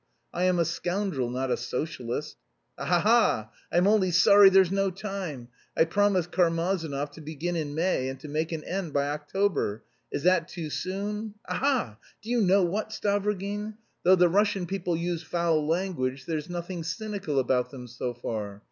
I am a scoundrel, not a socialist. Ha ha ha! I'm only sorry there's no time. I promised Karmazinov to begin in May, and to make an end by October. Is that too soon? Ha ha! Do you know what, Stavrogin? Though the Russian people use foul language, there's nothing cynical about them so far.